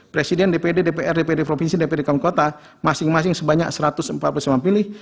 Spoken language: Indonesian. presiden dpd dpr dpd provinsi dpd kaum kota masing masing sebanyak satu ratus empat puluh lima pemilih